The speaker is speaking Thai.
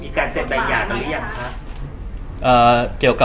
มีการเสร็จใดยากันหรือยังคะ